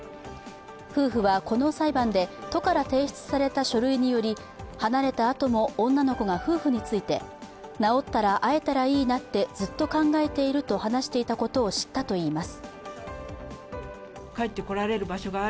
夫婦はこの裁判で都から提出された書類により離れたあとも女の子が夫婦について治ったら会えたらいいなってずっと考えていると話していたことを知ったといいます。